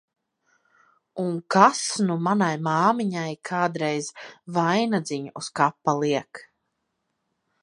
Un kas nu manai māmiņai kādreiz vainadziņu uz kapa liek!